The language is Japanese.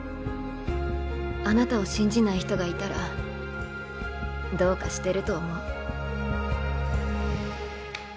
あなたを信じない人がいたらどうかしてると思う。